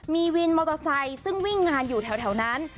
มีวินมอเตอร์ไซค์ซึ่งวิ่งงานอยู่แถวนั้น